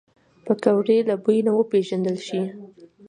پکورې له بوی نه وپیژندل شي